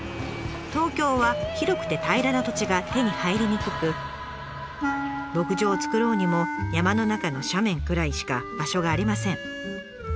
東京は広くて平らな土地が手に入りにくく牧場を作ろうにも山の中の斜面くらいしか場所がありません。